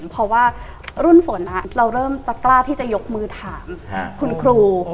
เพราะว่ารุ่นฝนเราเริ่มจะกล้าที่จะยกมือถามคุณครู